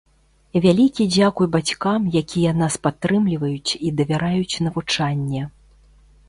Вялікі дзякуй бацькам, якія нас падтрымліваюць і давяраюць навучанне.